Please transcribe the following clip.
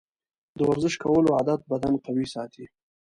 د ورزش کولو عادت بدن قوي ساتي.